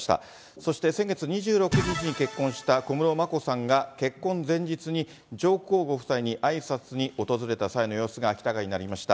そして先月２６日に結婚した小室眞子さんが、結婚前日に、上皇ご夫妻にあいさつに訪れた際の様子が明らかになりました。